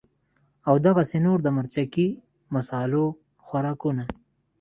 او دغسې نور د مرچکي مصالو خوراکونه